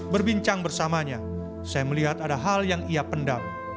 berbincang bersamanya saya melihat ada hal yang ia pendam